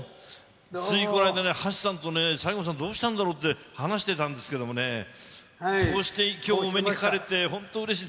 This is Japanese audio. ついこの間ね、橋さんとね、西郷さん、どうしたんだろうって話してたんですけどね、こうしてきょう、お目にかかれて本当、うれしい。